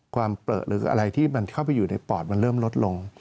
เปลือหรืออะไรที่มันเข้าไปอยู่ในปอดมันเริ่มลดลง